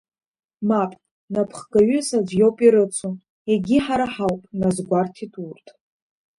Мап, напхгаҩыс аӡә иоуп ирыцу, егьи ҳара ҳауп, назгәарҭеит урҭ.